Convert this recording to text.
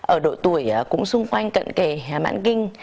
ở đội tuổi cũng xung quanh cận kề mạng kinh